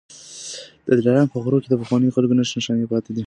د دلارام په غرو کي د پخوانيو خلکو نښې نښانې پاتې دي